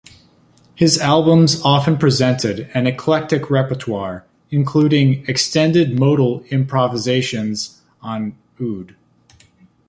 His albums often presented an eclectic repertoire including extended modal improvisations on oud.